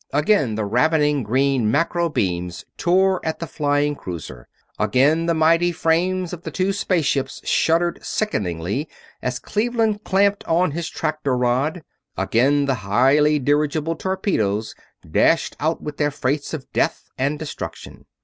Again the ravening green macro beams tore at the flying cruiser, again the mighty frames of the two space ships shuddered sickeningly as Cleveland clamped on his tractor rod, again the highly dirigible torpedoes dashed out with their freights of death and destruction.